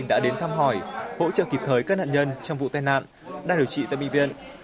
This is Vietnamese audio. đã đến thăm hỏi hỗ trợ kịp thời các nạn nhân trong vụ tai nạn đang điều trị tại bệnh viện